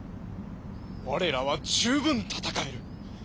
我らは十分戦える。